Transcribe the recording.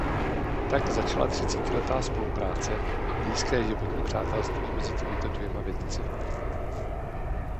Tak začala třicetiletá spolupráce a blízké životní přátelství mezi těmito dvěma vědci.